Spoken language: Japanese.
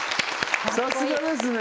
さすがですね